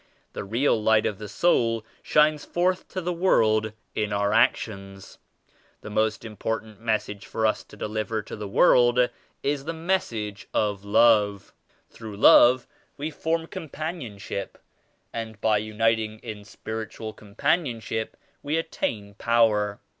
The real light of the soul shines forth to the world in our actions. The most important message for us to deliver to the world is the mes sage of Love. Through love we form compan ionship, and by uniting in spiritual companion ship we attain power.